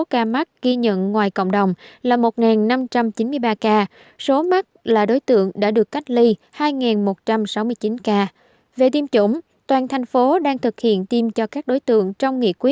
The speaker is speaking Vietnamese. ba t t g nữ sinh năm một nghìn chín trăm bảy mươi hai đến từ hoàng văn thụ hoàng văn thụ